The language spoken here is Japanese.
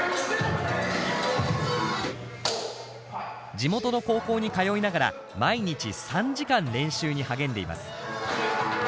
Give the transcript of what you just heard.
地元の高校に通いながら毎日３時間練習に励んでいます。